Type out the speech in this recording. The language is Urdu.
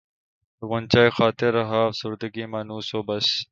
غنچۂ خاطر رہا افسردگی مانوس و بس